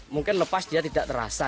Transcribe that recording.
mungkin lepas dia tidak terasa